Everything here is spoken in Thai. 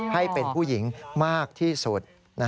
ให้เป็นผู้หญิงมากที่สุด